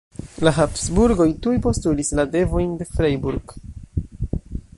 La Habsburgoj tuj postulis la devojn de Freiburg.